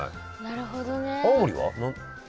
なるほどね。